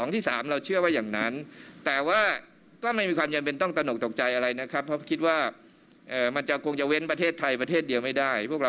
ท่านว่าเป็นยังไงนะฮะ